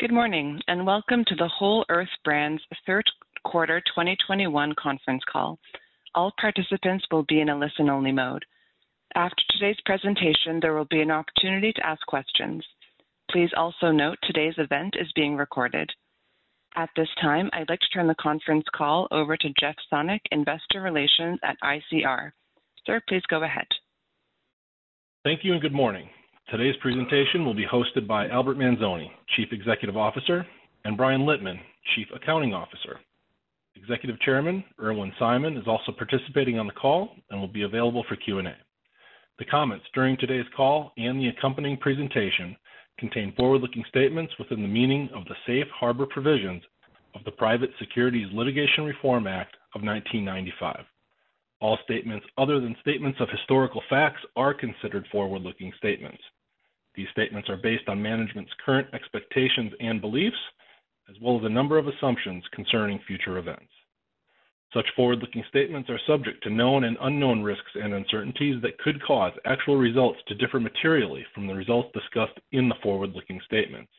Good morning, and welcome to the Whole Earth Brands third quarter 2021 conference call. All participants will be in a listen-only mode. After today's presentation, there will be an opportunity to ask questions. Please also note today's event is being recorded. At this time, I'd like to turn the conference call over to Jeff Sonnek, Investor Relations at ICR. Sir, please go ahead. Thank you and good morning. Today's presentation will be hosted by Albert Manzone, Chief Executive Officer, and Brian Litman, Chief Accounting Officer. Executive Chairman Irwin Simon is also participating on the call and will be available for Q&A. The comments during today's call and the accompanying presentation contain forward-looking statements within the meaning of the safe harbor provisions of the Private Securities Litigation Reform Act of 1995. All statements other than statements of historical facts are considered forward-looking statements. These statements are based on management's current expectations and beliefs, as well as a number of assumptions concerning future events. Such forward-looking statements are subject to known and unknown risks and uncertainties that could cause actual results to differ materially from the results discussed in the forward-looking statements.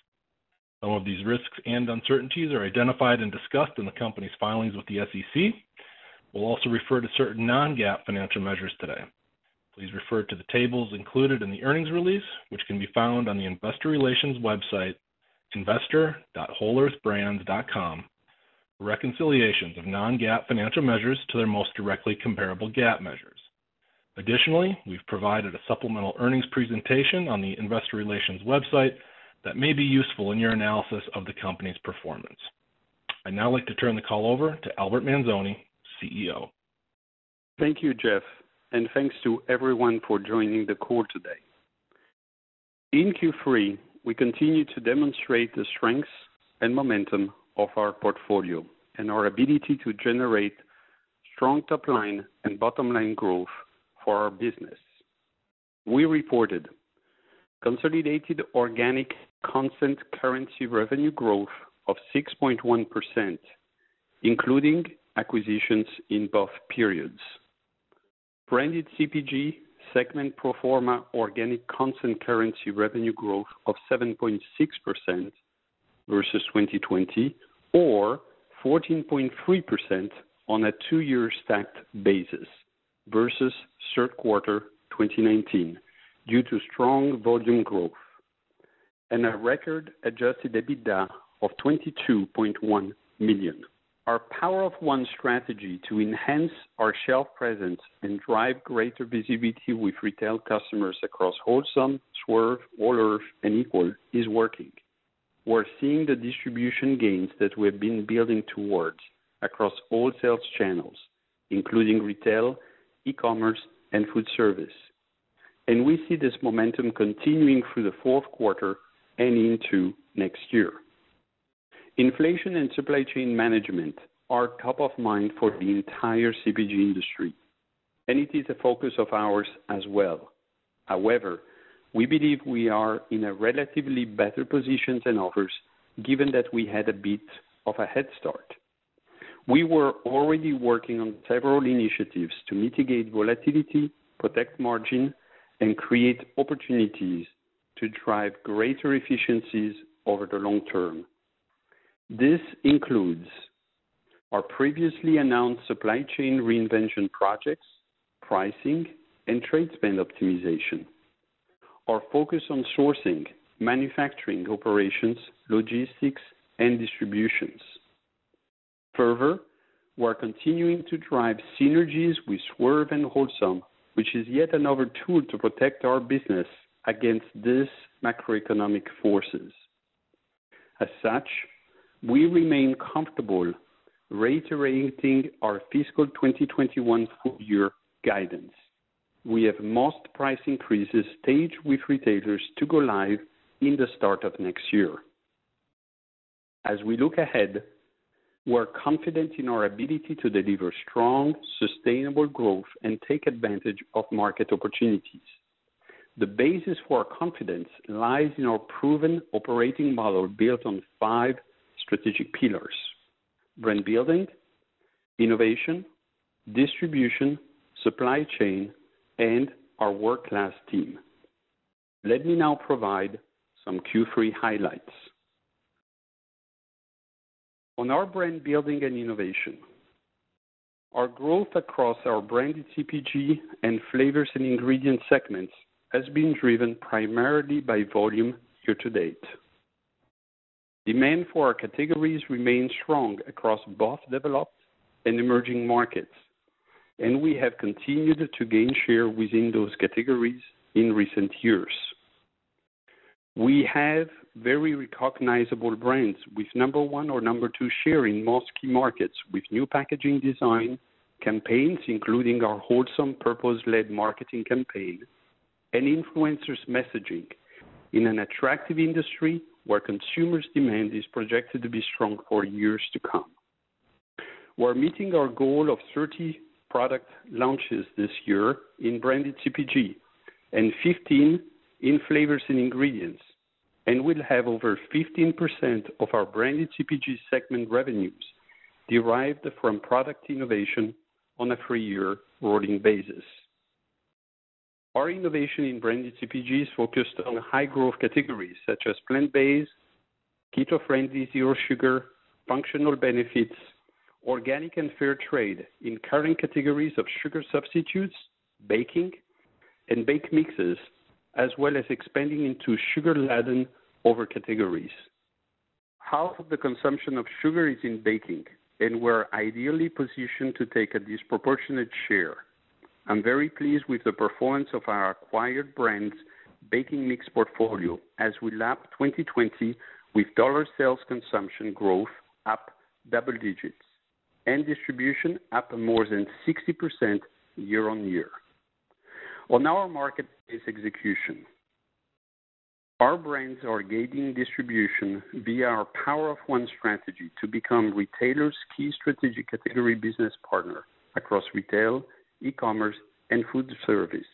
Some of these risks and uncertainties are identified and discussed in the company's filings with the SEC. We'll also refer to certain non-GAAP financial measures today. Please refer to the tables included in the earnings release, which can be found on the investor relations website, investor.wholeearthbrands.com, for reconciliations of non-GAAP financial measures to their most directly comparable GAAP measures. Additionally, we've provided a supplemental earnings presentation on the investor relations website that may be useful in your analysis of the company's performance. I'd now like to turn the call over to Albert Manzone, CEO. Thank you, Jeff, and thanks to everyone for joining the call today. In Q3, we continued to demonstrate the strengths and momentum of our portfolio and our ability to generate strong top-line and bottom-line growth for our business. We reported consolidated organic constant currency revenue growth of 6.1%, including acquisitions in both periods. Branded CPG segment pro forma organic constant currency revenue growth of 7.6% versus 2020 or 14.3% on a two-year stacked basis versus third quarter 2019 due to strong volume growth and a record Adjusted EBITDA of $22.1 million. Our Power of One strategy to enhance our shelf presence and drive greater visibility with retail customers across Wholesome, Swerve, Whole Earth, and Equal is working. We're seeing the distribution gains that we've been building towards across all sales channels, including retail, e-commerce, and food service. We see this momentum continuing through the fourth quarter and into next year. Inflation and supply chain management are top of mind for the entire CPG industry, and it is a focus of ours as well. However, we believe we are in a relatively better position than others, given that we had a bit of a head start. We were already working on several initiatives to mitigate volatility, protect margin, and create opportunities to drive greater efficiencies over the long term. This includes our previously announced supply chain reinvention projects, pricing, and trade spend optimization, our focus on sourcing, manufacturing, operations, logistics, and distributions. Further, we're continuing to drive synergies with Swerve and Wholesome, which is yet another tool to protect our business against these macroeconomic forces. As such, we remain comfortable reiterating our fiscal 2021 full year guidance. We have most price increases staged with retailers to go live in the start of next year. As we look ahead, we're confident in our ability to deliver strong, sustainable growth and take advantage of market opportunities. The basis for our confidence lies in our proven operating model built on five strategic pillars: brand building, innovation, distribution, supply chain, and our world-class team. Let me now provide some Q3 highlights. On our brand building and innovation, our growth across our Branded CPG and Flavors & Ingredients segments has been driven primarily by volume year to date. Demand for our categories remains strong across both developed and emerging markets, and we have continued to gain share within those categories in recent years. We have very recognizable brands with No. one or No. two share in most key markets with new packaging design, campaigns, including our Wholesome purpose-led marketing campaign and influencers messaging in an attractive industry where consumer demand is projected to be strong for years to come. We're meeting our goal of 30 product launches this year in branded CPG and 15 in flavors and ingredients, and we'll have over 15% of our branded CPG segment revenues derived from product innovation on a three-year rolling basis. Our innovation in branded CPGs focused on high growth categories such as plant-based, keto-friendly, zero sugar, functional benefits, organic and fair trade in current categories of sugar substitutes, baking and baked mixes, as well as expanding into sugar-laden other categories. Half of the consumption of sugar is in baking, and we're ideally positioned to take a disproportionate share. I'm very pleased with the performance of our acquired brands' baking mix portfolio as we lap 2020 with dollar sales consumption growth up double digits and distribution up more than 60% year-on-year. Well, now our market is execution. Our brands are gaining distribution via our Power of One strategy to become retailers' key strategic category business partner across retail, e-commerce, and food service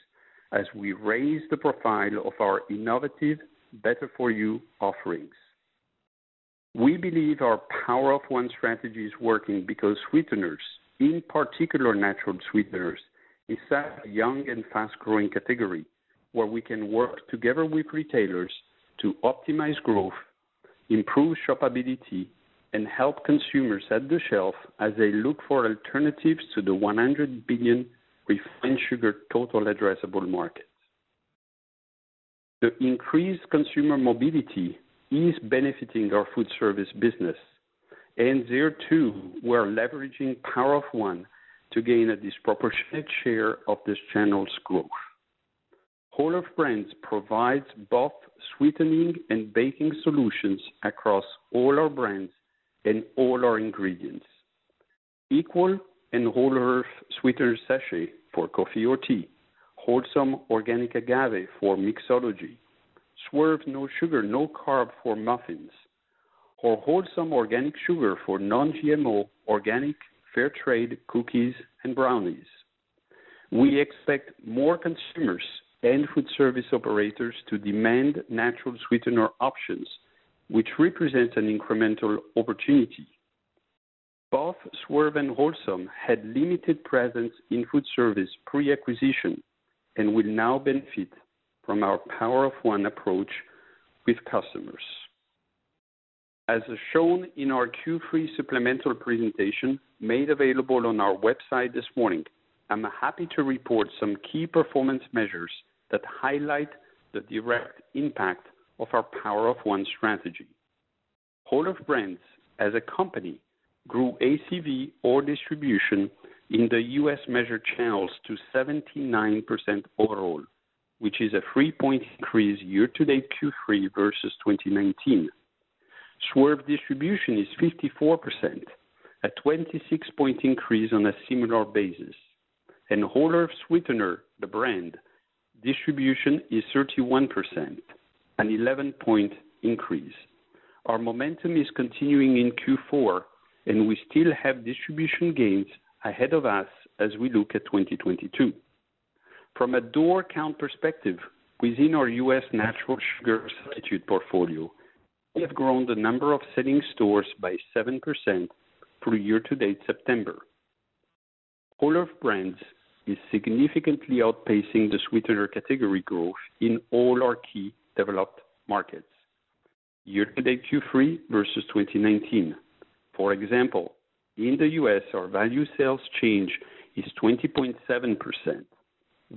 as we raise the profile of our innovative, better-for-you offerings. We believe our Power of One strategy is working because sweeteners, in particular natural sweeteners, is such a young and fast-growing category where we can work together with retailers to optimize growth, improve shopability, and help consumers at the shelf as they look for alternatives to the $100 billion refined sugar total addressable markets. The increased consumer mobility is benefiting our food service business, and there, too, we're leveraging Power of One to gain a disproportionate share of this channel's growth. Whole Earth Brands provides both sweetening and baking solutions across all our brands and all our ingredients. Equal and Whole Earth Sweetener sachet for coffee or tea, Wholesome organic agave for mixology, Swerve no sugar, no carb for muffins, or Wholesome organic sugar for non-GMO, organic, fair trade cookies and brownies. We expect more consumers and food service operators to demand natural sweetener options, which represents an incremental opportunity. Both Swerve and Wholesome had limited presence in food service pre-acquisition and will now benefit from our Power of One approach with customers. As shown in our Q3 supplemental presentation made available on our website this morning, I'm happy to report some key performance measures that highlight the direct impact of our Power of One strategy. Whole Earth Brands as a company grew ACV or distribution in the U.S. measured channels to 79% overall, which is a three-point increase year-to-date Q3 versus 2019. Swerve distribution is 54%, a 26-point increase on a similar basis. Whole Earth Sweetener, the brand, distribution is 31%, an 11-point increase. Our momentum is continuing in Q4, and we still have distribution gains ahead of us as we look at 2022. From a door count perspective, within our U.S. natural sugar substitute portfolio, we have grown the number of selling stores by 7% through year-to-date September. Whole Earth Brands is significantly outpacing the sweetener category growth in all our key developed markets year-to-date Q3 versus 2019. For example, in the U.S., our value sales change is 20.7%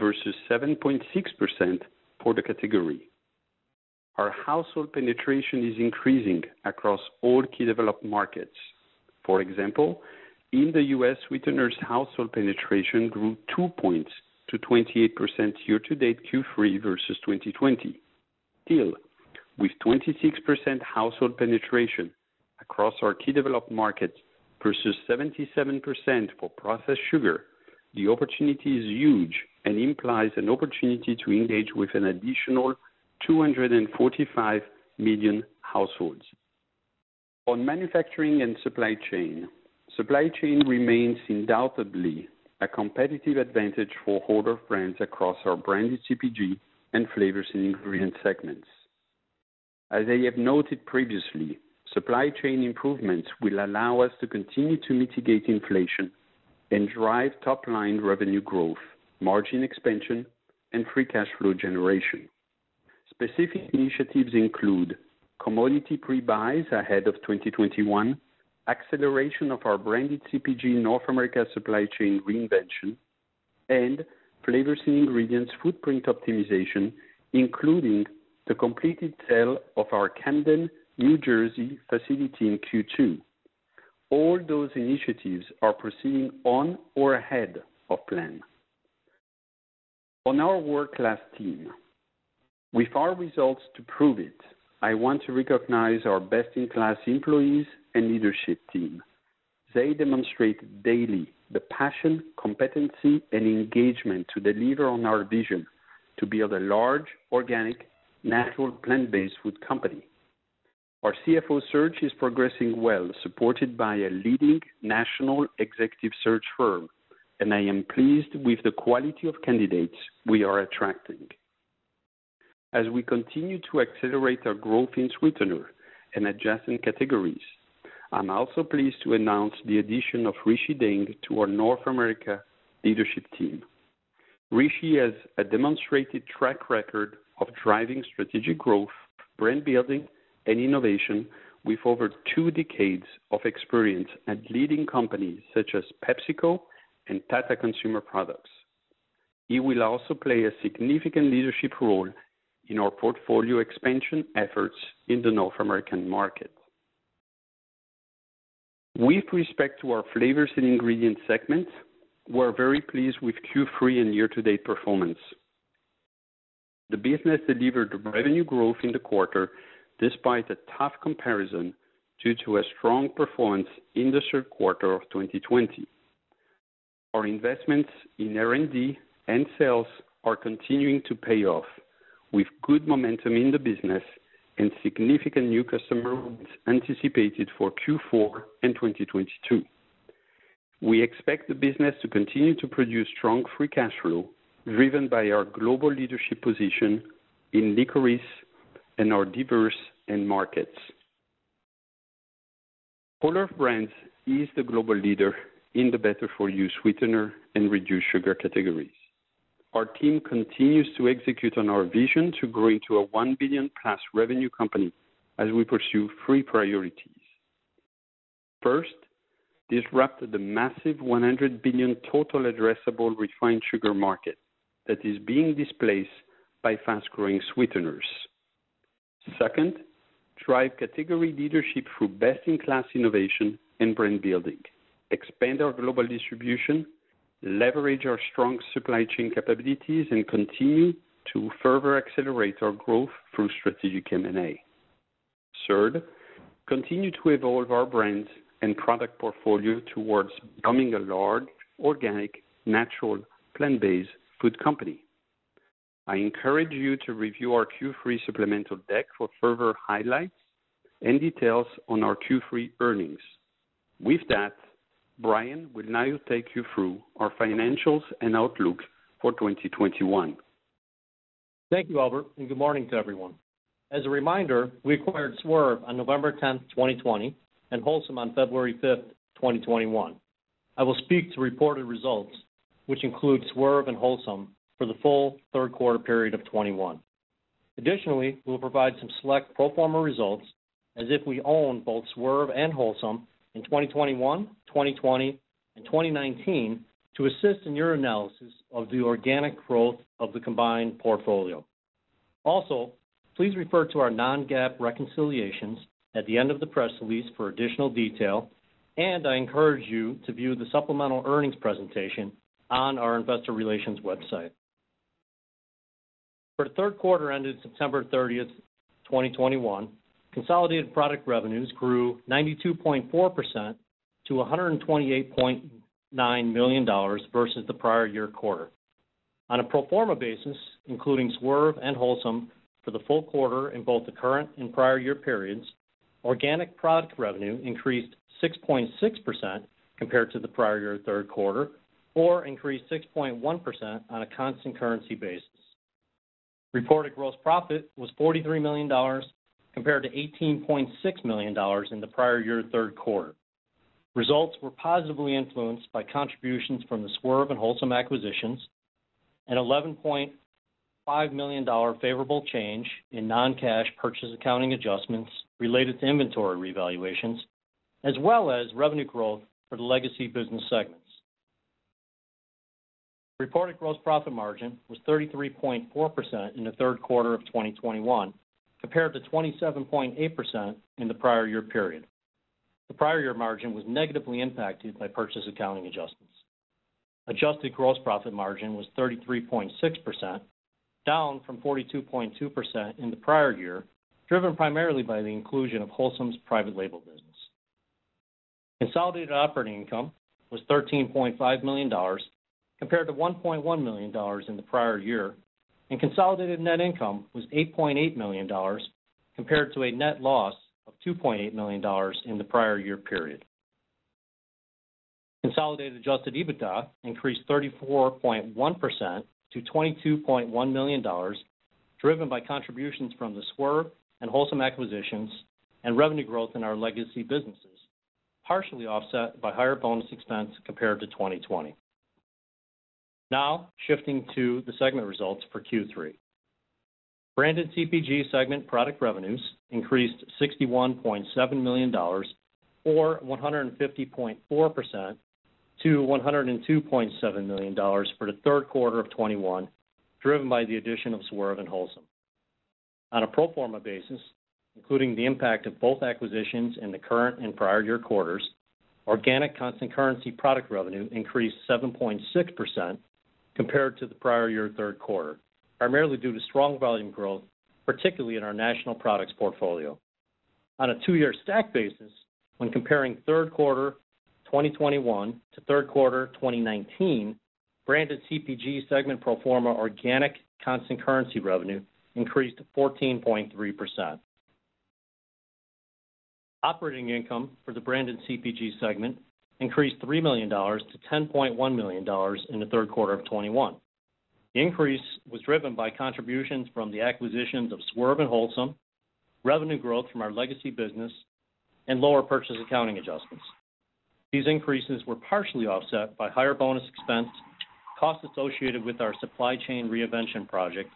versus 7.6% for the category. Our household penetration is increasing across all key developed markets. For example, in the U.S., sweetener's household penetration grew two points to 28% year-to-date Q3 versus 2020. Still, with 26% household penetration across our key developed markets versus 77% for processed sugar, the opportunity is huge and implies an opportunity to engage with an additional 245 million households. On manufacturing and supply chain, supply chain remains undoubtedly a competitive advantage for Whole Earth Brands across our branded CPG and flavors and ingredients segments. As I have noted previously, supply chain improvements will allow us to continue to mitigate inflation and drive top-line revenue growth, margin expansion and free cash flow generation. Specific initiatives include commodity pre-buys ahead of 2021, acceleration of our branded CPG North America supply chain reinvention, and flavors and ingredients footprint optimization, including the completed sale of our Camden, New Jersey, facility in Q2. All those initiatives are proceeding on or ahead of plan. On our world-class team, with our results to prove it, I want to recognize our best-in-class employees and leadership team. They demonstrate daily the passion, competency, and engagement to deliver on our vision to build a large, organic, natural, plant-based food company. Our CFO search is progressing well, supported by a leading national executive search firm, and I am pleased with the quality of candidates we are attracting. As we continue to accelerate our growth in sweetener and adjacent categories, I'm also pleased to announce the addition of Rishi Daing to our North America leadership team. Rishi has a demonstrated track record of driving strategic growth, brand building, and innovation with over two decades of experience at leading companies such as PepsiCo and Tata Consumer Products. He will also play a significant leadership role in our portfolio expansion efforts in the North American market. With respect to our Flavors and Ingredients segment, we're very pleased with Q3 and year-to-date performance. The business delivered revenue growth in the quarter despite a tough comparison due to a strong performance in the third quarter of 2020. Our investments in R&D and sales are continuing to pay off with good momentum in the business and significant new customer wins anticipated for Q4 in 2022. We expect the business to continue to produce strong free cash flow driven by our global leadership position in licorice and our diverse end markets. Whole Earth Brands is the global leader in the better-for-you sweetener and reduced sugar categories. Our team continues to execute on our vision to grow into a $1 billion+ revenue company as we pursue three priorities. First, disrupt the massive $100 billion total addressable refined sugar market that is being displaced by fast-growing sweeteners. Second, drive category leadership through best-in-class innovation and brand building, expand our global distribution, leverage our strong supply chain capabilities, and continue to further accelerate our growth through strategic M&A. Third, continue to evolve our brands and product portfolio towards becoming a large organic, natural, plant-based food company. I encourage you to review our Q3 supplemental deck for further highlights and details on our Q3 earnings. With that, Brian will now take you through our financials and outlook for 2021. Thank you, Albert, and good morning to everyone. As a reminder, we acquired Swerve on November 10, 2020, and Wholesome on February 5, 2021. I will speak to reported results, which include Swerve and Wholesome for the full third quarter period of 2021. Additionally, we'll provide some select pro forma results as if we own both Swerve and Wholesome in 2021, 2020, and 2019 to assist in your analysis of the organic growth of the combined portfolio. Also, please refer to our non-GAAP reconciliations at the end of the press release for additional detail. I encourage you to view the supplemental earnings presentation on our investor relations website. For the third quarter ended September 30, 2021, consolidated product revenues grew 92.4% to $128.9 million versus the prior year quarter. On a pro forma basis, including Swerve and Wholesome for the full quarter in both the current and prior year periods, organic product revenue increased 6.6% compared to the prior year third quarter or increased 6.1% on a constant currency basis. Reported gross profit was $43 million compared to $18.6 million in the prior year third quarter. Results were positively influenced by contributions from the Swerve and Wholesome acquisitions, an $11.5 million favorable change in non-cash purchase accounting adjustments related to inventory revaluations, as well as revenue growth for the legacy business segments. Reported gross profit margin was 33.4% in the third quarter of 2021 compared to 27.8% in the prior year period. The prior year margin was negatively impacted by purchase accounting adjustments. Adjusted gross profit margin was 33.6%, down from 42.2% in the prior year, driven primarily by the inclusion of Wholesome's private label business. Consolidated operating income was $13.5 million compared to $1.1 million in the prior year, and consolidated net income was $8.8 million compared to a net loss of $2.8 million in the prior year period. Consolidated Adjusted EBITDA increased 34.1% to $22.1 million, driven by contributions from the Swerve and Wholesome acquisitions and revenue growth in our legacy businesses, partially offset by higher bonus expense compared to 2020. Now shifting to the segment results for Q3. Branded CPG segment product revenues increased $61.7 million or 150.4% to $102.7 million for the third quarter of 2021, driven by the addition of Swerve and Wholesome. On a pro forma basis, including the impact of both acquisitions in the current and prior year quarters, organic constant currency product revenue increased 7.6% compared to the prior year third quarter, primarily due to strong volume growth, particularly in our national products portfolio. On a two-year stack basis, when comparing third quarter 2021 to third quarter 2019, Branded CPG segment pro forma organic constant currency revenue increased 14.3%. Operating income for the Branded CPG segment increased $3 million to $10.1 million in the third quarter of 2021. The increase was driven by contributions from the acquisitions of Swerve and Wholesome, revenue growth from our legacy business, and lower purchase accounting adjustments. These increases were partially offset by higher bonus expense, costs associated with our supply chain reinvention project,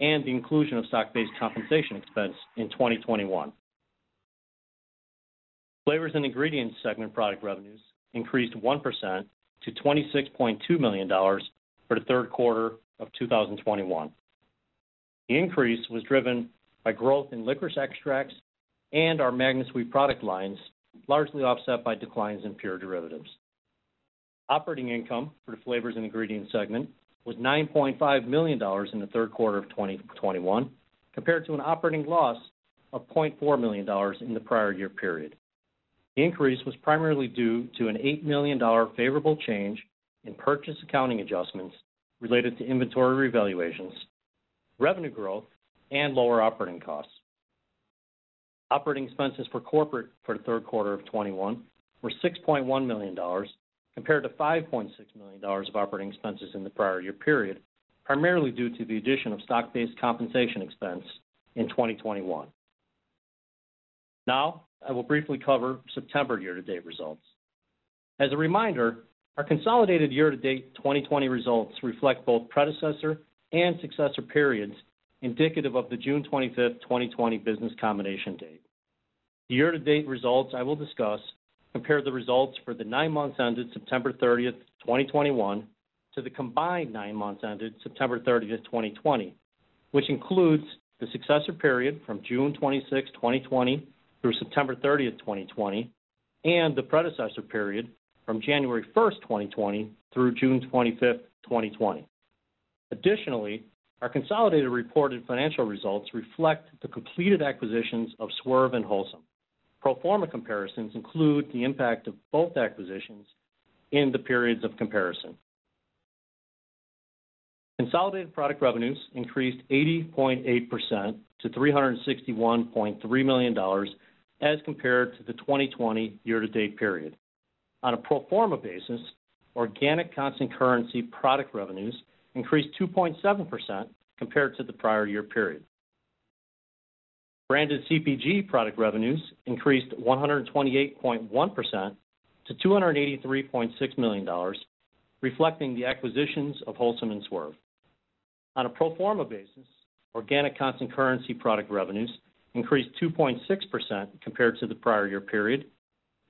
and the inclusion of stock-based compensation expense in 2021. Flavors & Ingredients segment product revenues increased 1% to $26.2 million for the third quarter of 2021. The increase was driven by growth in licorice extracts and our MagnaSweet product lines, largely offset by declines in pure derivatives. Operating income for the Flavors & Ingredients segment was $9.5 million in the third quarter of 2021 compared to an operating loss of $0.4 million in the prior year period. The increase was primarily due to an $8 million favorable change in purchase accounting adjustments related to inventory revaluations, revenue growth, and lower operating costs. Operating expenses for corporate for the third quarter of 2021 were $6.1 million compared to $5.6 million of operating expenses in the prior year period, primarily due to the addition of stock-based compensation expense in 2021. Now I will briefly cover September year-to-date results. As a reminder, our consolidated year-to-date 2020 results reflect both predecessor and successor periods indicative of the June 25, 2020 business combination date. The year-to-date results I will discuss compare the results for the nine months ended September 30, 2021 to the combined nine months ended September 30, 2020, which includes the successor period from June 26, 2020 through September 30, 2020, and the predecessor period from January 1, 2020 through June 25, 2020. Additionally, our consolidated reported financial results reflect the completed acquisitions of Swerve and Wholesome. Pro forma comparisons include the impact of both acquisitions in the periods of comparison. Consolidated product revenues increased 80.8% to $361.3 million as compared to the 2020 year-to-date period. On a pro forma basis, organic constant currency product revenues increased 2.7% compared to the prior year period. Branded CPG product revenues increased 128.1% to $283.6 million, reflecting the acquisitions of Wholesome and Swerve. On a pro forma basis, organic constant currency product revenues increased 2.6% compared to the prior year period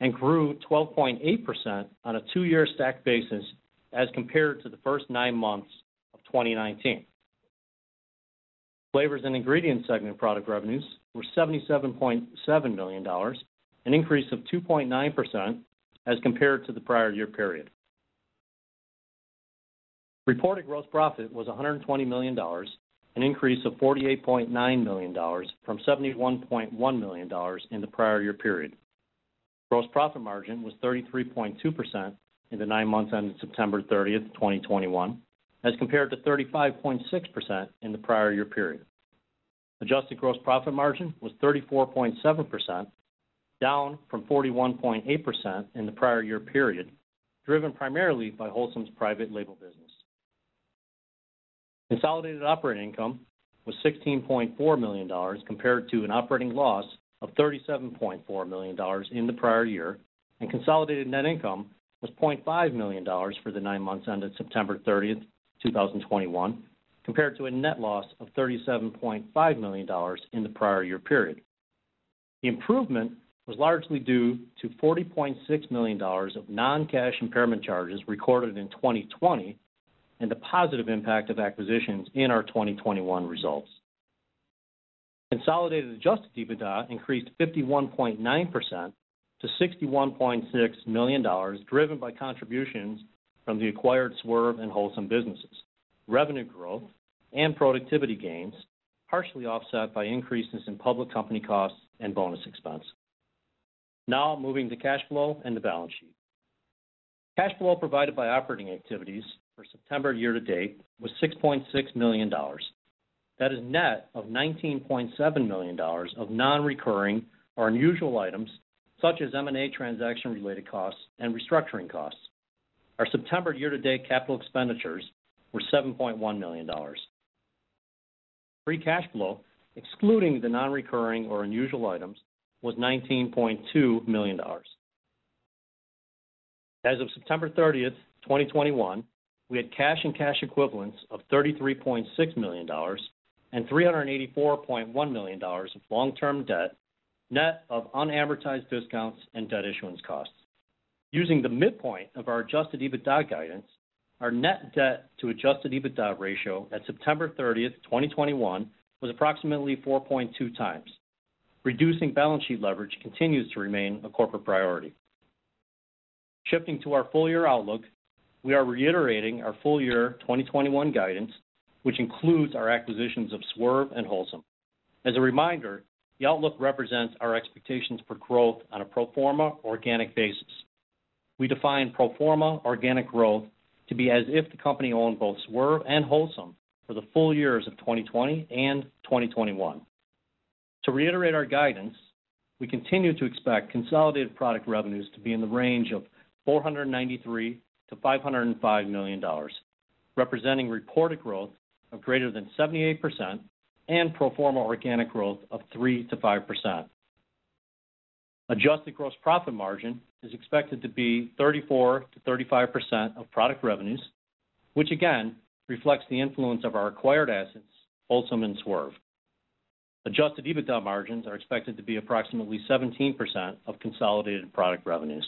and grew 12.8% on a two-year stacked basis as compared to the first nine months of 2019. Flavors and Ingredients segment product revenues were $77.7 million, an increase of 2.9% as compared to the prior year period. Reported gross profit was $120 million, an increase of $48.9 million from $71.1 million in the prior year period. Gross profit margin was 33.2% in the nine months ended September 30, 2021, as compared to 35.6% in the prior year period. Adjusted gross profit margin was 34.7%, down from 41.8% in the prior year period, driven primarily by Wholesome's private label business. Consolidated operating income was $16.4 million compared to an operating loss of $37.4 million in the prior year, and consolidated net income was $0.5 million for the nine months ended September 30, 2021, compared to a net loss of $37.5 million in the prior year period. The improvement was largely due to $40.6 million of non-cash impairment charges recorded in 2020 and the positive impact of acquisitions in our 2021 results. Consolidated Adjusted EBITDA increased 51.9% to $61.6 million, driven by contributions from the acquired Swerve and Wholesome businesses, revenue growth, and productivity gains, partially offset by increases in public company costs and bonus expense. Now moving to cash flow and the balance sheet. Cash flow provided by operating activities for September year-to-date was $6.6 million. That is net of $19.7 million of non-recurring or unusual items such as M&A transaction-related costs and restructuring costs. Our September year-to-date capital expenditures were $7.1 million. Free cash flow, excluding the non-recurring or unusual items, was $19.2 million. As of September 30, 2021, we had cash and cash equivalents of $33.6 million and $384.1 million of long-term debt, net of unamortized discounts and debt issuance costs. Using the midpoint of our Adjusted EBITDA guidance, our net debt to Adjusted EBITDA ratio at September 30, 2021 was approximately 4.2x. Reducing balance sheet leverage continues to remain a corporate priority. Shifting to our full year outlook, we are reiterating our full year 2021 guidance, which includes our acquisitions of Swerve and Wholesome. As a reminder, the outlook represents our expectations for growth on a pro forma organic basis. We define pro forma organic growth to be as if the company owned both Swerve and Wholesome for the full years of 2020 and 2021. To reiterate our guidance, we continue to expect consolidated product revenues to be in the range of $493 million-$505 million, representing reported growth of greater than 78% and pro forma organic growth of 3%-5%. Adjusted gross profit margin is expected to be 34%-35% of product revenues, which again reflects the influence of our acquired assets, Wholesome and Swerve. Adjusted EBITDA margins are expected to be approximately 17% of consolidated product revenues.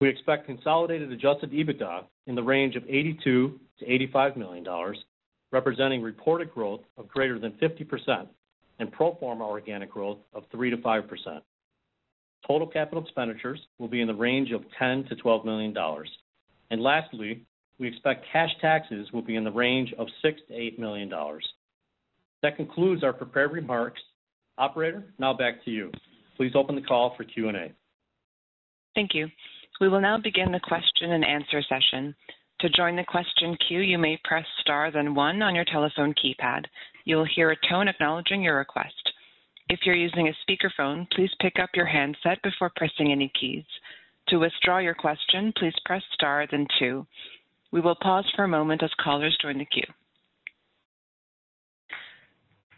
We expect consolidated adjusted EBITDA in the range of $82 million-$85 million, representing reported growth of greater than 50% and pro forma organic growth of 3%-5%. Total capital expenditures will be in the range of $10 million-$12 million. Lastly, we expect cash taxes will be in the range of $6 million-$8 million. That concludes our prepared remarks. Operator, now back to you. Please open the call for Q&A. Thank you. We will now begin the question and answer session. To join the question queue, you may press star then one on your telephone keypad. You will hear a tone acknowledging your request. If you're using a speakerphone, please pick up your handset before pressing any keys. To withdraw your question, please press star then two. We will pause for a moment as callers join the queue.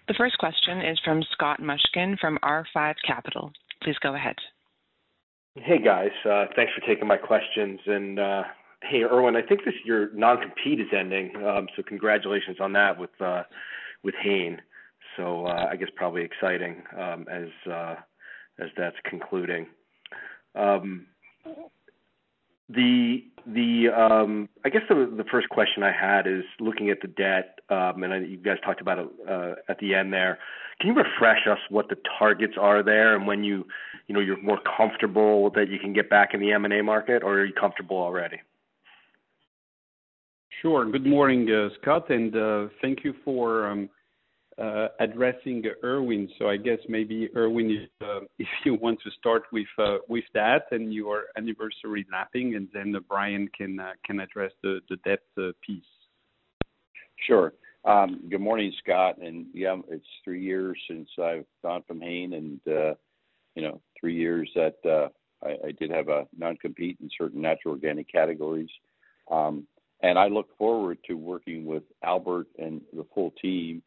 The first question is from Scott Mushkin from R5 Capital. Please go ahead. Hey, guys. Thanks for taking my questions. Hey, Irwin, I think that your non-compete is ending, so congratulations on that with Hain. I guess probably exciting, as that's concluding. The first question I had is looking at the debt, and I know you guys talked about it at the end there. Can you refresh us what the targets are there and when you know you're more comfortable that you can get back in the M&A market, or are you comfortable already? Sure. Good morning, Scott, and thank you for addressing Irwin. I guess maybe Irwin, if you want to start with that and your anniversary lapping, and then Brian can address the debt piece. Sure. Good morning, Scott. Yeah, it's three years since I've gone from Hain and, you know, three years that I did have a non-compete in certain natural organic categories. I look forward to working with Albert and the full team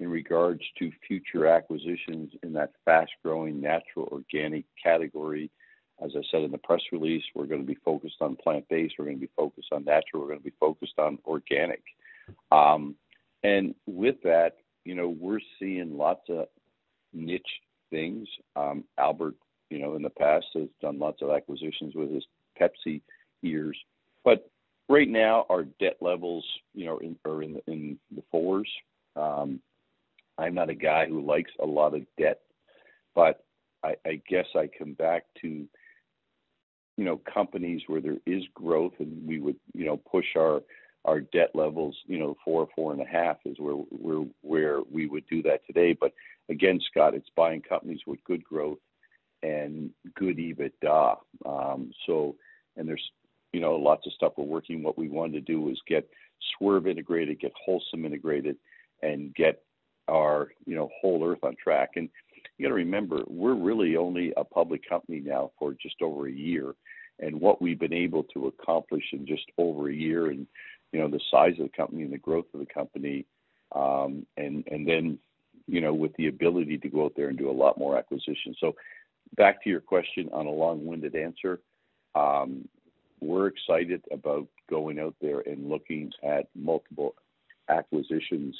in regards to future acquisitions in that fast growing natural organic category. As I said in the press release, we're gonna be focused on plant-based, we're gonna be focused on natural, we're gonna be focused on organic. With that, you know, we're seeing lots of niche things. Albert, you know, in the past, has done lots of acquisitions with his PepsiCo years. Right now, our debt levels, you know, are in the fours. I'm not a guy who likes a lot of debt, but I guess I come back to, you know, companies where there is growth, and we would, you know, push our debt levels, you know, four, four and a half is where we would do that today. Again, Scott, it's buying companies with good growth and good EBITDA. There's, you know, lots of stuff we're working. What we wanted to do is get Swerve integrated, get Wholesome integrated, and get our, you know, Whole Earth on track. You gotta remember, we're really only a public company now for just over a year. What we've been able to accomplish in just over a year and, you know, the size of the company and the growth of the company, and then, you know, with the ability to go out there and do a lot more acquisitions. Back to your question on a long-winded answer, we're excited about going out there and looking at multiple acquisitions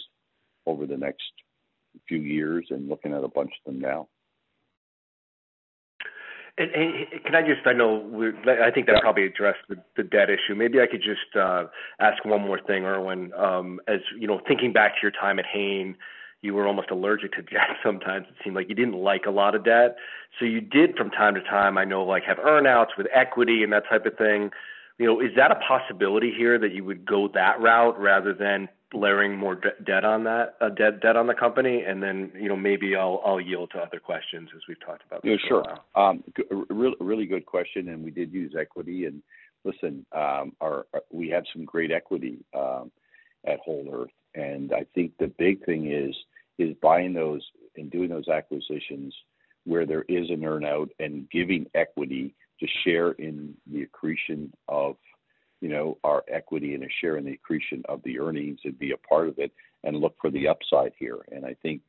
over the next few years and looking at a bunch of them now. Can I just, I know, I think that probably addressed the debt issue. Maybe I could just ask one more thing, Irwin. As you know, thinking back to your time at Hain, you were almost allergic to debt sometimes. It seemed like you didn't like a lot of debt. So you did from time to time, I know, like, have earn-outs with equity and that type of thing. You know, is that a possibility here that you would go that route rather than layering more debt on the company? You know, maybe I'll yield to other questions as we've talked about this for a while. Yeah, sure. Really good question, and we did use equity. Listen, we have some great equity at Whole Earth. I think the big thing is buying those and doing those acquisitions where there is an earn-out and giving equity to share in the accretion of, you know, our equity and a share in the accretion of the earnings and be a part of it and look for the upside here. I think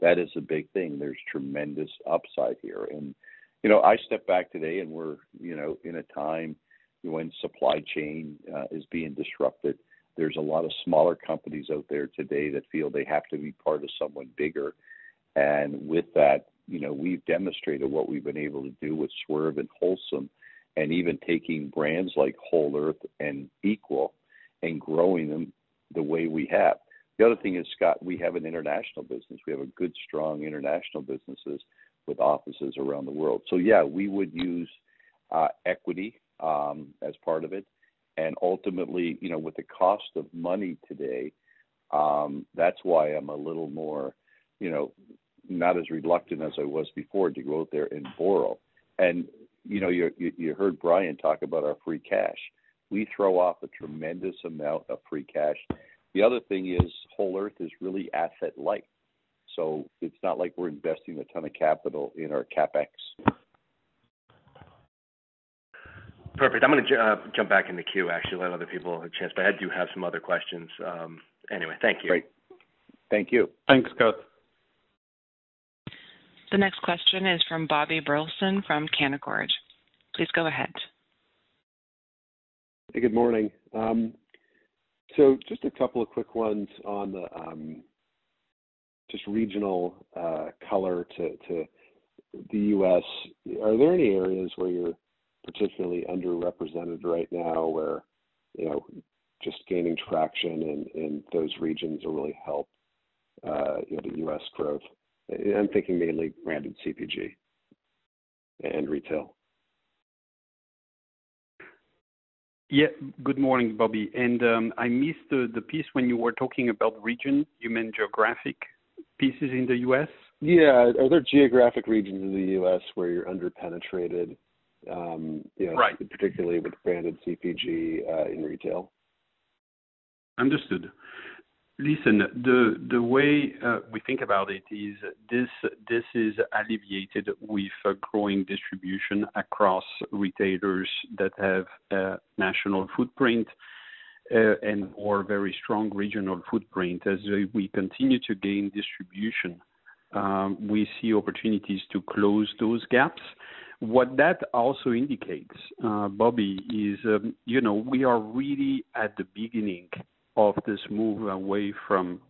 that is a big thing. There's tremendous upside here. You know, I step back today and we're, you know, in a time when supply chain is being disrupted. There's a lot of smaller companies out there today that feel they have to be part of someone bigger. With that, you know, we've demonstrated what we've been able to do with Swerve and Wholesome and even taking brands like Whole Earth and Equal and growing them the way we have. The other thing is, Scott, we have an international business. We have a good, strong international businesses with offices around the world. So yeah, we would use equity as part of it. Ultimately, you know, with the cost of money today, that's why I'm a little more, you know, not as reluctant as I was before to go out there and borrow. You know, you heard Brian talk about our free cash. We throw off a tremendous amount of free cash. The other thing is Whole Earth is really asset light, so it's not like we're investing a ton of capital in our CapEx. Perfect. I'm gonna jump back in the queue, actually, let other people a chance, but I do have some other questions. Anyway, thank you. Great. Thank you. Thanks, Scott. The next question is from Bobby Brilson from Canaccord. Please go ahead. Good morning. Just a couple of quick ones on the just regional color to the U.S. Are there any areas where you're particularly underrepresented right now where, you know, just gaining traction in those regions will really help, you know, the U.S. growth? I'm thinking mainly branded CPG and retail. Yeah. Good morning, Bobby. I missed the piece when you were talking about region. You meant geographic pieces in the U.S.? Yeah. Are there geographic regions in the U.S. where you're under-penetrated, you know- Right. Particularly with branded CPG in retail? Understood. Listen, the way we think about it is this. This is alleviated with growing distribution across retailers that have a national footprint and/or very strong regional footprint. As we continue to gain distribution, we see opportunities to close those gaps. What that also indicates, Bobby, is you know, we are really at the beginning of this move away from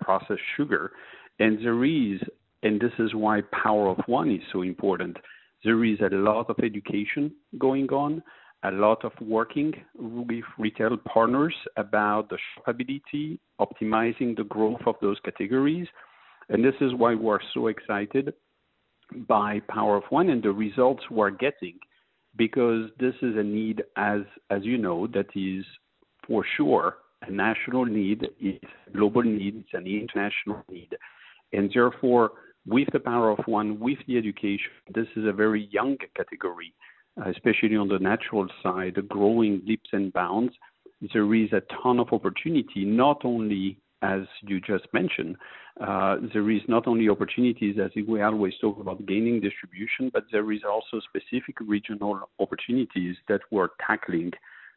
processed sugar. This is why Power of One is so important. There is a lot of education going on, a lot of working with retail partners about the ability, optimizing the growth of those categories. This is why we're so excited by Power of One and the results we're getting, because this is a need, as you know, that is for sure a national need. It's a global need. It's an international need. With the Power of One, with the education, this is a very young category, especially on the natural side, growing leaps and bounds. There is a ton of opportunity, not only, as you just mentioned, as we always talk about gaining distribution, but there is also specific regional opportunities that we're tackling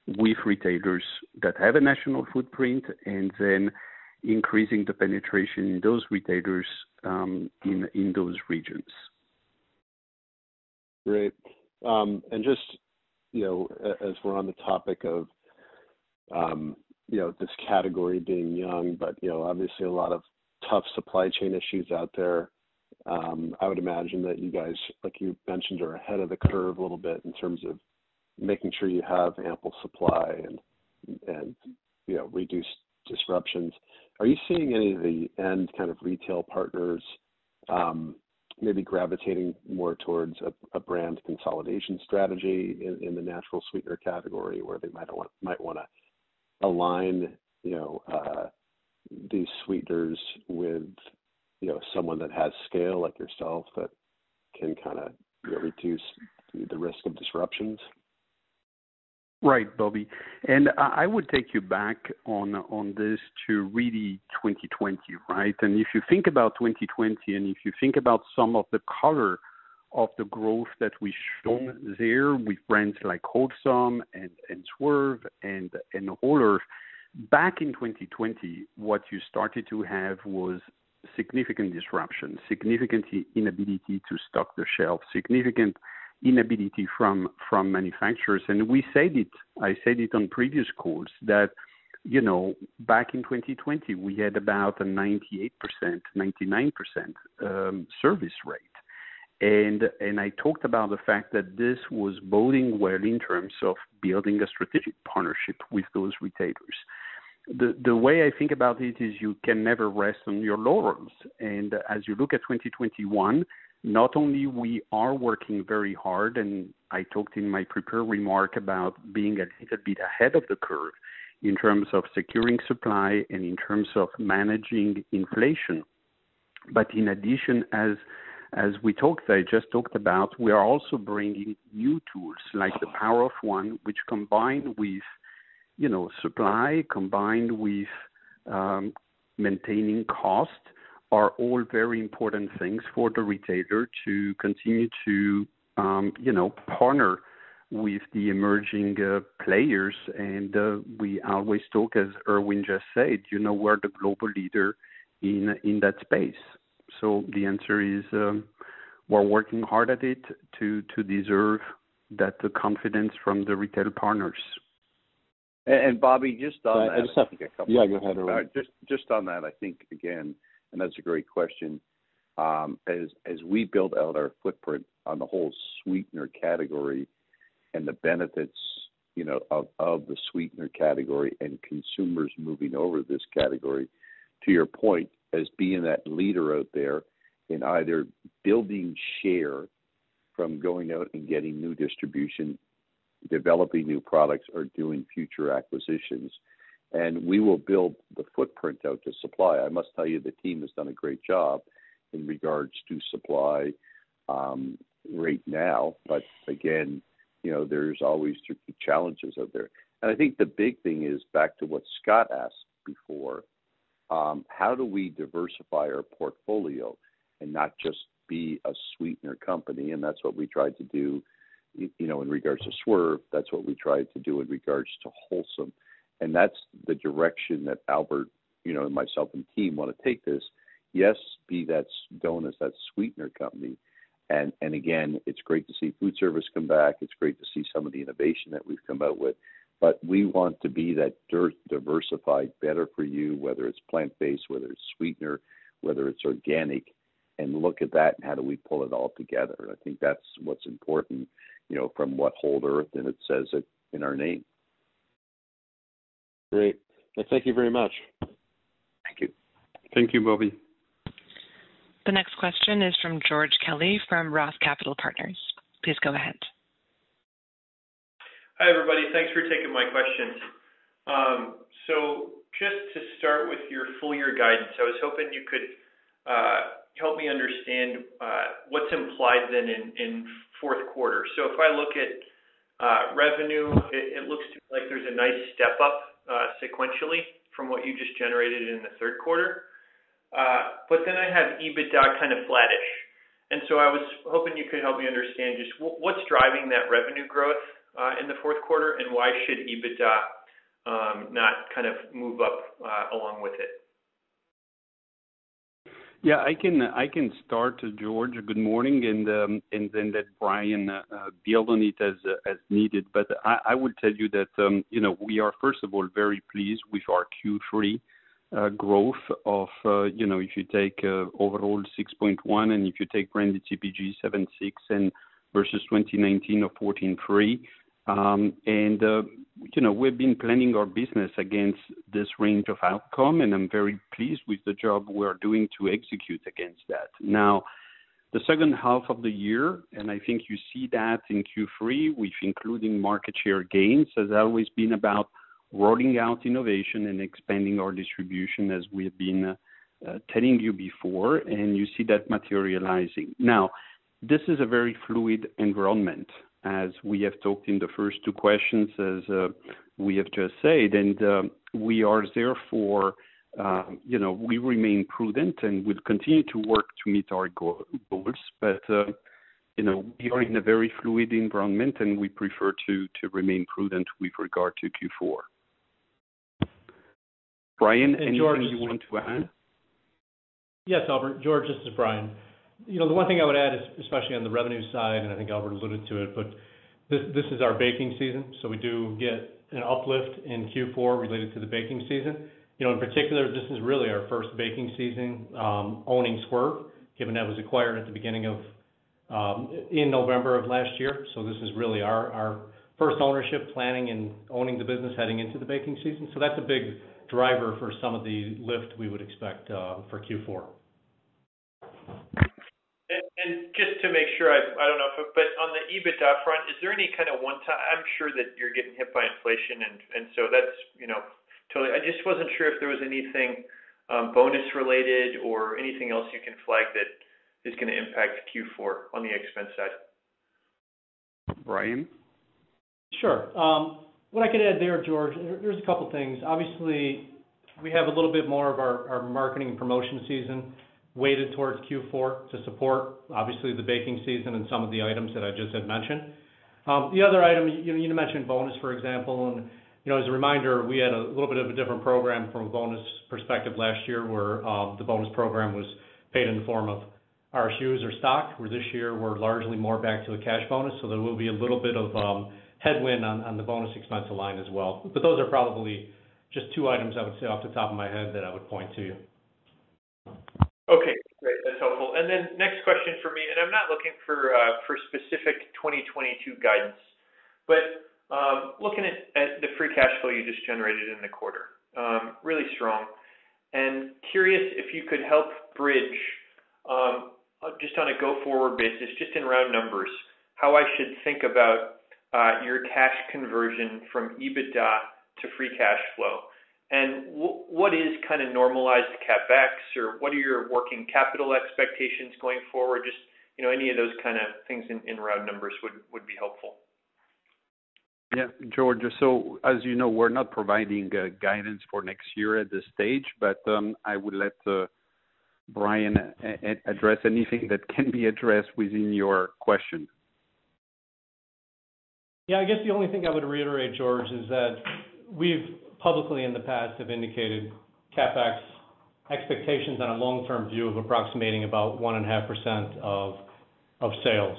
with retailers that have a national footprint and then increasing the penetration in those retailers in those regions. Great. Just, you know, as we're on the topic of, you know, this category being young, but you know, obviously a lot of tough supply chain issues out there, I would imagine that you guys, like you mentioned, are ahead of the curve a little bit in terms of making sure you have ample supply and, you know, reduced disruptions. Are you seeing any of the end kind of retail partners, maybe gravitating more towards a brand consolidation strategy in the natural sweetener category where they might wanna align, you know, these sweeteners with, you know, someone that has scale like yourself that can kinda reduce the risk of disruptions? Right, Bobby. I would take you back on this to really 2020, right? If you think about 2020, if you think about some of the color of the growth that we've shown there with brands like Wholesome, Swerve, and Whole Earth, back in 2020, what you started to have was significant disruption, significant inability to stock the shelf, significant inability from manufacturers. We said it. I said it on previous calls that, you know, back in 2020, we had about a 98%, 99% service rate. I talked about the fact that this was boding well in terms of building a strategic partnership with those retailers. The way I think about it is you can never rest on your laurels. As you look at 2021, not only we are working very hard, and I talked in my prepared remark about being a little bit ahead of the curve in terms of securing supply and in terms of managing inflation. In addition, as we talked, I just talked about, we are also bringing new tools like the Power of One, which combined with, you know, supply, combined with, maintaining cost, are all very important things for the retailer to continue to, you know, partner with the emerging players. We always talk, as Irwin just said, you know, we're the global leader in that space. The answer is, we're working hard at it to deserve that confidence from the retail partners. Bobby, just on that— Yeah, go ahead, Irwin. Just on that, I think, again, that's a great question. As we build out our footprint on the whole sweetener category and the benefits, you know, of the sweetener category and consumers moving over this category, to your point, as being that leader out there in either building share- From going out and getting new distribution, developing new products, or doing future acquisitions. We will build the footprint out to supply. I must tell you, the team has done a great job in regards to supply, right now. But again, you know, there's always certain challenges out there. I think the big thing is back to what Scott asked before, how do we diversify our portfolio and not just be a sweetener company? That's what we tried to do, you know, in regards to Swerve, that's what we tried to do in regards to Wholesome. That's the direction that Albert, you know, and myself and team wanna take this. Yes, be that donut, that sweetener company. And again, it's great to see food service come back. It's great to see some of the innovation that we've come out with. We want to be that truly diversified better for you, whether it's plant-based, whether it's sweetener, whether it's organic, and look at that and how do we pull it all together. I think that's what's important, you know, from Whole Earth, and it says it in our name. Great. Thank you very much. Thank you. Thank you, Bobby. The next question is from George Kelly from ROTH Capital Partners. Please go ahead. Hi, everybody. Thanks for taking my questions. Just to start with your full year guidance, I was hoping you could help me understand what's implied then in fourth quarter. If I look at revenue, it looks like there's a nice step up sequentially from what you just generated in the third quarter. Then I have EBITDA kind of flattish. I was hoping you could help me understand just what's driving that revenue growth in the fourth quarter, and why should EBITDA not kind of move up along with it? Yeah, I can start, George. Good morning. Then let Brian build on it as needed. I would tell you that, you know, we are first of all very pleased with our Q3 growth of, you know, if you take overall 6.1%, and if you take branded CPG 7.6% versus 2019 of 14.3%. You know, we've been planning our business against this range of outcome, and I'm very pleased with the job we are doing to execute against that. Now, the second half of the year, and I think you see that in Q3, which, including market share gains, has always been about rolling out innovation and expanding our distribution as we have been telling you before, and you see that materializing. Now, this is a very fluid environment, as we have talked in the first two questions, as we have just said. You know, we remain prudent, and we'll continue to work to meet our goals. You know, we are in a very fluid environment, and we prefer to remain prudent with regard to Q4. Brian, anything you want to add? Yes, Albert. George, this is Brian. You know, the one thing I would add, especially on the revenue side, and I think Albert alluded to it, but this is our baking season, so we do get an uplift in Q4 related to the baking season. You know, in particular, this is really our first baking season owning Swerve, given that was acquired at the beginning of in November of last year. So this is really our first ownership planning and owning the business heading into the baking season. So that's a big driver for some of the lift we would expect for Q4. Just to make sure, I don't know if on the EBITDA front is there any kind of one-time. I'm sure that you're getting hit by inflation and so that's, you know, totally. I just wasn't sure if there was anything bonus related or anything else you can flag that is gonna impact Q4 on the expense side. Brian? Sure. What I can add there, George, there's a couple things. Obviously, we have a little bit more of our marketing promotion season weighted towards Q4 to support obviously the baking season and some of the items that I just had mentioned. The other item, you mentioned bonus, for example. You know, as a reminder, we had a little bit of a different program from a bonus perspective last year where the bonus program was paid in the form of RSUs or stock, where this year we're largely more back to a cash bonus. There will be a little bit of headwind on the bonus expense line as well. Those are probably just two items I would say off the top of my head that I would point to. Okay, great. That's helpful. Next question for me, and I'm not looking for specific 2022 guidance. Looking at the free cash flow you just generated in the quarter, really strong. Curious if you could help bridge just on a go-forward basis, just in round numbers, how I should think about your cash conversion from EBITDA to free cash flow. What is kind of normalized CapEx, or what are your working capital expectations going forward? Just, you know, any of those kind of things in round numbers would be helpful. Yeah. George, as you know, we're not providing guidance for next year at this stage, but I would let Brian address anything that can be addressed within your question. Yeah. I guess the only thing I would reiterate, George, is that we've publicly in the past have indicated CapEx expectations on a long-term view of approximating about 1.5% of sales.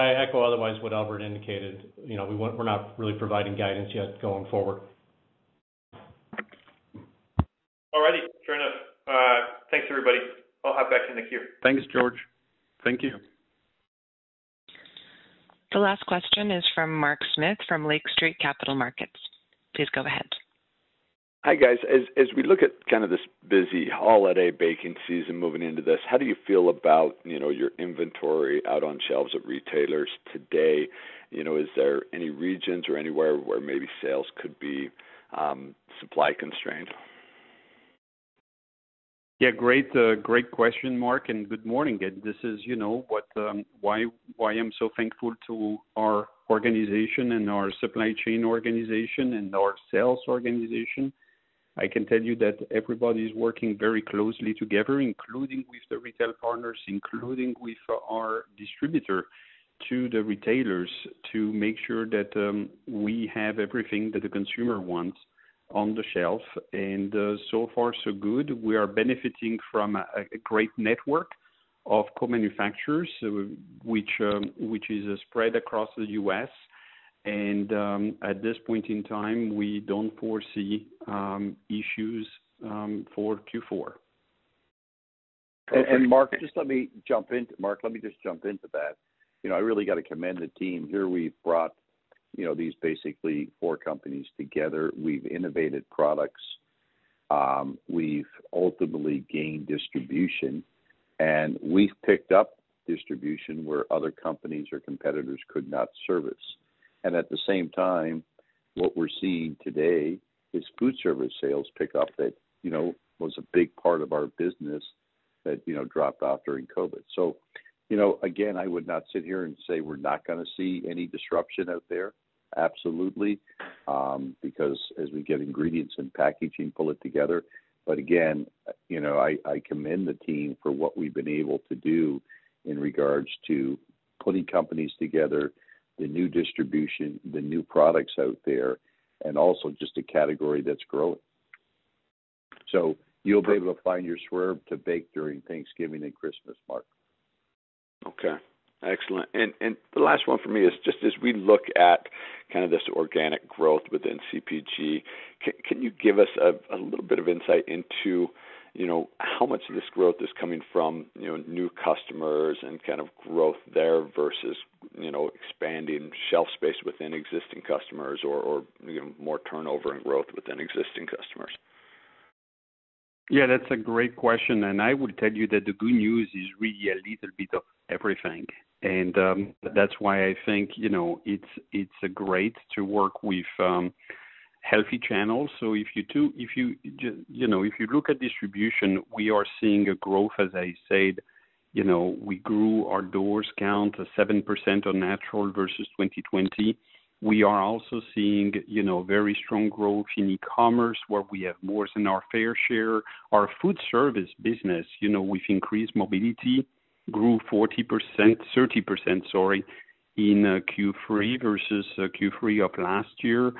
I echo otherwise what Albert indicated. You know, we're not really providing guidance yet going forward. All righty. Fair enough. Thanks, everybody. I'll hop back in the queue. Thanks, George. Thank you. The last question is from Mark Smith from Lake Street Capital Markets. Please go ahead. Hi, guys. As we look at kind of this busy holiday baking season moving into this, how do you feel about, you know, your inventory out on shelves of retailers today? You know, is there any regions or anywhere where maybe sales could be supply constrained? Yeah, great question, Mark, and good morning again. This is, you know, why I'm so thankful to our organization and our supply chain organization and our sales organization. I can tell you that everybody is working very closely together, including with the retail partners, including with our distributor to the retailers to make sure that we have everything that the consumer wants on the shelf. So far so good. We are benefiting from a great network of co-manufacturers which is spread across the U.S. At this point in time, we don't foresee issues for Q4. Mark, let me just jump into that. You know, I really got to commend the team here. We've brought, you know, these basically four companies together. We've innovated products. We've ultimately gained distribution, and we've picked up distribution where other companies or competitors could not service. At the same time, what we're seeing today is food service sales pick up that, you know, was a big part of our business that, you know, dropped off during COVID. You know, again, I would not sit here and say we're not gonna see any disruption out there, absolutely, because as we get ingredients and packaging, pull it together. Again, you know, I commend the team for what we've been able to do in regards to putting companies together, the new distribution, the new products out there, and also just a category that's growing. You'll be able to find your Swerve to bake during Thanksgiving and Christmas, Mark. Okay, excellent. The last one for me is just as we look at kind of this organic growth within CPG, can you give us a little bit of insight into, you know, how much of this growth is coming from, you know, new customers and kind of growth there versus, you know, expanding shelf space within existing customers or, you know, more turnover and growth within existing customers? Yeah, that's a great question. I would tell you that the good news is really a little bit of everything. That's why I think, you know, it's great to work with healthy channels. You know, if you look at distribution, we are seeing a growth. As I said, you know, we grew our doors count to 7% on natural versus 2020. We are also seeing, you know, very strong growth in e-commerce, where we have more than our fair share. Our food service business, you know, with increased mobility grew 40%, 30%, sorry, in Q3 versus Q3 of last year.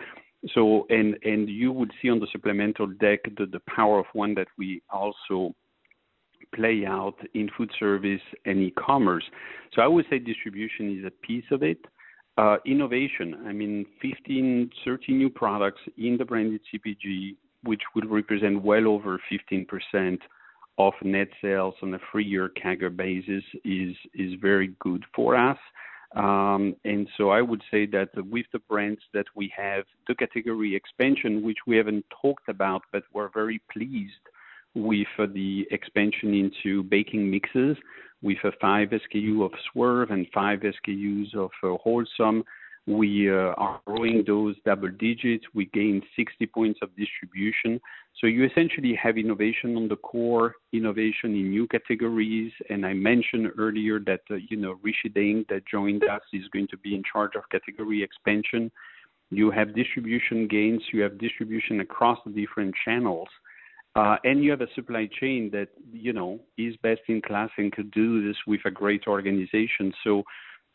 And you would see on the supplemental deck the Power of One that we also play out in food service and e-commerce. I would say distribution is a piece of it. Innovation. I mean, 15, 13 new products in the branded CPG, which would represent well over 15% of net sales on a three-year CAGR basis is very good for us. I would say that with the brands that we have, the category expansion which we haven't talked about, but we're very pleased with the expansion into baking mixes with a five SKU of Swerve and five SKUs of Wholesome. We are growing those double digits. We gained 60 points of distribution. You essentially have innovation on the core, innovation in new categories. I mentioned earlier that, you know, Rishi Daing that joined us, is going to be in charge of category expansion. You have distribution gains, you have distribution across different channels, and you have a supply chain that you know is best in class and could do this with a great organization.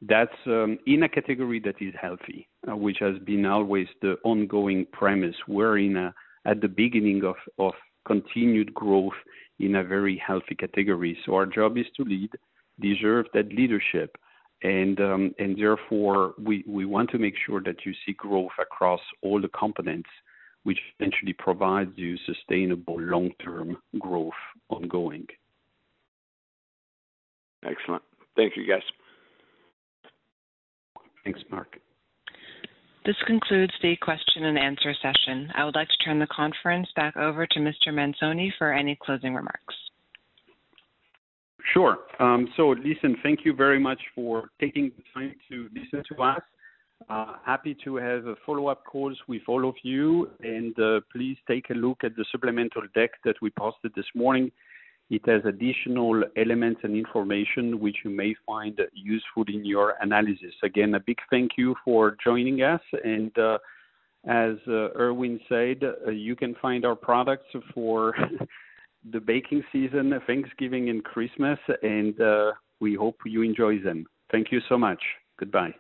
That's in a category that is healthy, which has been always the ongoing premise. We're at the beginning of continued growth in a very healthy category. Our job is to lead, deserve that leadership and therefore we want to make sure that you see growth across all the components, which essentially provides you sustainable long-term growth ongoing. Excellent. Thank you, guys. Thanks, Mark. This concludes the question and answer session. I would like to turn the conference back over to Mr. Manzone for any closing remarks. Sure. So listen, thank you very much for taking the time to listen to us. Happy to have follow-up calls with all of you, and please take a look at the supplemental deck that we posted this morning. It has additional elements and information which you may find useful in your analysis. Again, a big thank you for joining us. As Irwin said, you can find our products for the baking season, Thanksgiving and Christmas, and we hope you enjoy them. Thank you so much. Goodbye.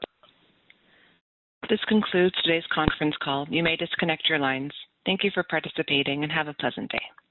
This concludes today's conference call. You may disconnect your lines. Thank you for participating and have a pleasant day.